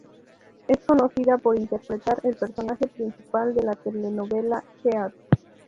Es conocida por interpretar el personaje principal de la telenovela "Heart".